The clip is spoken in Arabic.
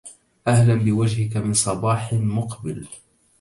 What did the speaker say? أهلا بوجهك من صباح مقبل